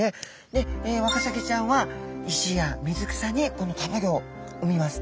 でワカサギちゃんは石や水草にこのたまギョを産みます。